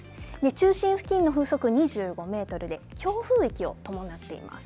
中心付近の風速２５メートルで強風域を伴っています。